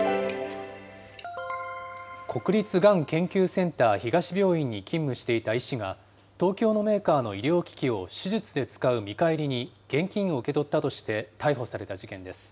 国立がん研究センター東病院に勤務していた医師が、東京メーカーの医療機器を手術で使う見返りに、現金を受け取ったとして逮捕された事件です。